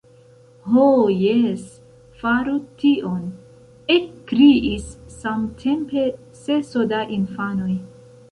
— Ho, jes, faru tion, — ekkriis samtempe seso da infanoj.